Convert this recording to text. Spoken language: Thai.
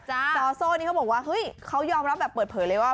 ซอโซ่นี่เขาบอกว่าเฮ้ยเขายอมรับแบบเปิดเผยเลยว่า